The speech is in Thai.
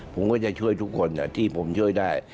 ผมก็จะช่วยทุกคนที่ผมช่วยได้